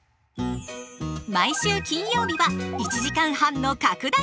毎週金曜日は１時間半の拡大枠！